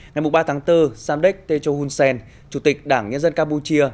ngày ba tháng bốn samdech techo hunsen chủ tịch đảng nhân dân campuchia